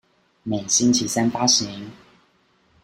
每星期三發行